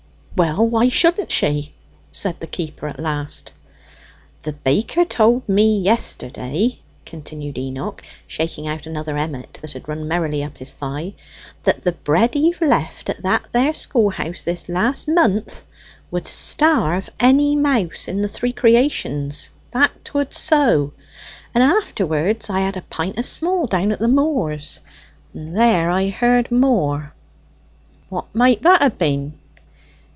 "Well, why shouldn't she?" said the keeper at last. "The baker told me yesterday," continued Enoch, shaking out another emmet that had run merrily up his thigh, "that the bread he've left at that there school house this last month would starve any mouse in the three creations; that 'twould so! And afterwards I had a pint o' small down at Morrs's, and there I heard more." "What might that ha' been?"